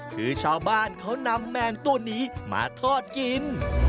คือชาวบ้านเขานำแมงตัวนี้มาทอดกิน